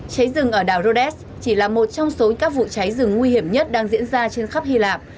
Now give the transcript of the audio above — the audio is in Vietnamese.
cháy rừng ở đảo rhodes chỉ là một trong số các vụ cháy rừng nguy hiểm nhất đang diễn ra trên khắp hy lạp